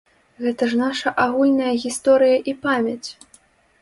Гэта ж наша агульная гісторыя і памяць!